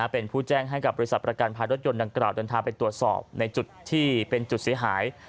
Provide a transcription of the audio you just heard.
เป็นผู้แจ้งให้กับบริษัทประกันภัยรถยนต์ดังกล่าวเดินทางไปตรวจสอบในจุดที่เป็นจุดเสียหาย